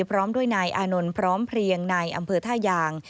พร้อมด้วยนายอานนท์พร้อมเพลียงนายอำเภอท่ายาง